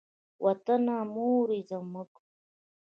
وطنه مور یې زموږ.